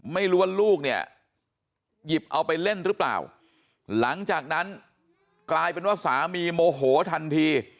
ไม่รู้ว่าลูกเนี่ยหยิบเอาไปเล่นหรือเปล่าหลังจากนั้นกลายเป็นว่าสามีโมโหทันที